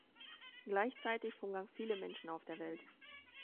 Gleichzeitig hungern viele Menschen auf der Welt.